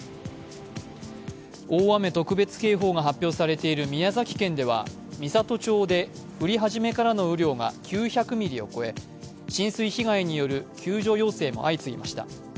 大雨特別警報が発表されている宮崎県では美郷町で降り始めからの雨量が９００ミリを超え浸水被害による救助要請も相次ぎました。